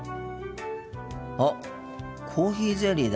あっコーヒーゼリーだ。